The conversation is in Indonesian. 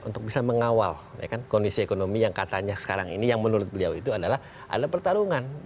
untuk bisa mengawal kondisi ekonomi yang katanya sekarang ini yang menurut beliau itu adalah pertarungan